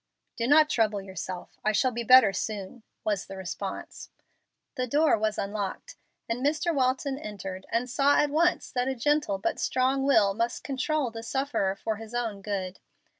"Do not trouble yourself. I shall be better soon," was the response. The door was unlocked, and Mr. Walton entered, and saw at once that a gentle but strong will must control the sufferer for his own good.